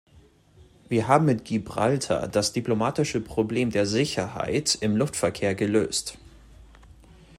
Wir haben mit Gibraltar das diplomatische Problem der Sicherheit im Luftverkehr gelöst.